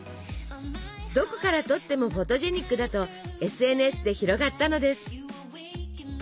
どこから撮ってもフォトジェニックだとＳＮＳで広がったのです。